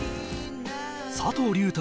佐藤隆太